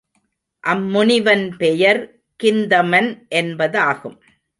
அம்முனிவன் பெயர் கிந்தமன் என்பதாகும்.